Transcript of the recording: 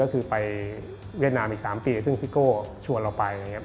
ก็คือไปเวียดนามอีก๓ปีซึ่งซิโก้ชวนเราไป